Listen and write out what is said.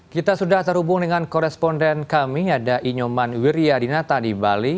kita sudah terhubung dengan koresponden kami ada inyoman wiryadinata di bali